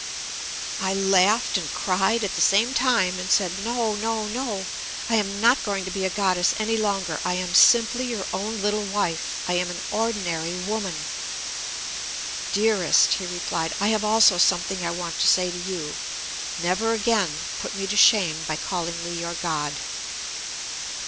I laughed and cried at the same time, and said: "No, no, no! I am not going to be a Goddess any longer I am simply your own little wife. I am an ordinary woman." "Dearest," he replied, "I have also something I want to say to you. Never again put me to shame by calling me your God."